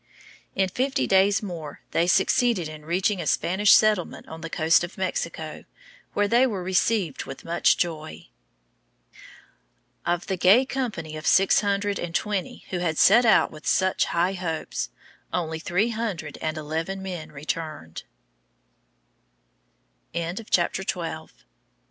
In fifty days more they succeeded in reaching a Spanish settlement on the coast of Mexico, where they were received with much joy. Of the gay company of six hundred and twenty who had set out with such high hopes, only three hundred